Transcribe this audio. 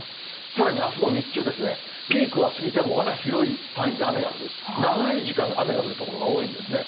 さらにあすの日中ですね、ピークは過ぎても、まだ広い範囲で雨が降る、長い時間、雨が降る所が多いんですね。